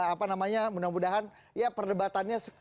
apa namanya mudah mudahan ya perdebatannya